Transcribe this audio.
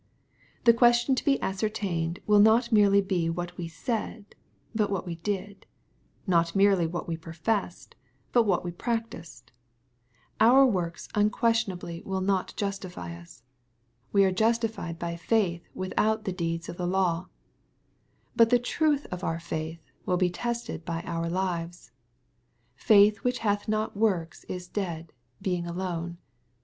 The question to be ascertained will not merely be what we said, but what we did, — ^not merely what we professed but what we practised. Our works unquestion« L MATTHEW, CHAP. XXV. 343 ably will not justify us. We are justified by faith with out the deeds of the law. But the truth of our faith will be tested by our lives. Faith which hath not works is dead, being alone.